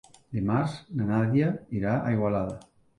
Dimarts na Nàdia irà a Igualada.